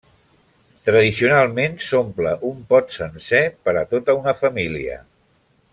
Tradicionalment s'omple un pot sencer per a tota una família.